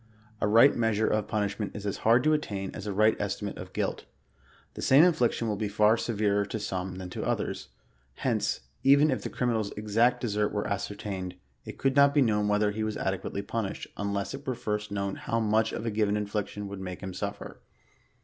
A right measure of punishment is as hard to attain as a right estimate of guilt. The same infliction will be far severer to some than tp others ; hence, even if the criminal's exact desert were ascertained, it could not be known whether he was adequately punished, 4liless it were first known how much a given infliction would make him sufler.